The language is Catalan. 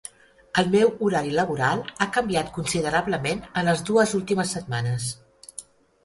El meu horari laboral ha canviat considerablement en les dues últimes setmanes.